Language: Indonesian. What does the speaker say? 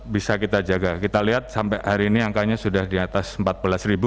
bisa kita jaga kita lihat sampai hari ini angkanya sudah di atas empat belas ribu